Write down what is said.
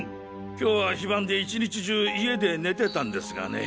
今日は非番で１日中家で寝てたんですがね。